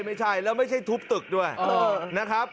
ไม่ใช่แล้วไม่ใช่ทุบตึกด้วยนะครับ